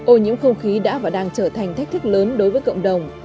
ô nhiễm không khí đã và đang trở thành thách thức lớn đối với cộng đồng